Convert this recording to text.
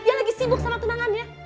dia lagi sibuk sama tunangannya